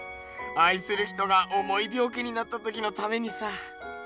あいする人がおもいびょう気になったときのためにさ。